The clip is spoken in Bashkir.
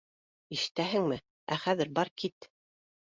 Ишетәһеңме? Ә хәҙер бар кит